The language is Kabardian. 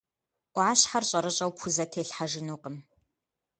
Ӏуащхьэр щӀэрыщӀэу пхузэтелъхьэжынукъым.